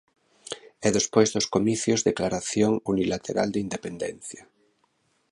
E despois dos comicios, declaración unilateral de independencia.